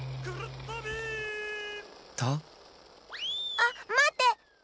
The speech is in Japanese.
あっまって！